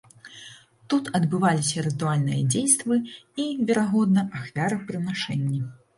Тут адбываліся рытуальныя дзействы і, верагодна, ахвярапрынашэнні.